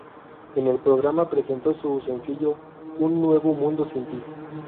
En el programa presentó su sencillo "Un nuevo mundo sin ti".